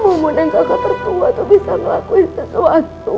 mumun dan kakak pertua tuh bisa ngelakuin sesuatu